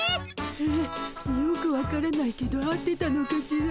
えよく分からないけど合ってたのかしら？